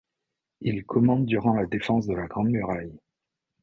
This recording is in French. Il commande la durant la défense de la Grande Muraille.